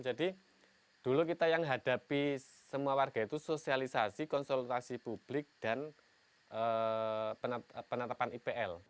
jadi dulu kita yang hadapi semua warga itu sosialisasi konsultasi publik dan penatapan ipl